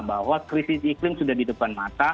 bahwa krisis iklim sudah di depan mata